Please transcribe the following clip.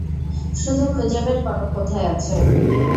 শুধু খুঁজে বের কর কোথায় আছে।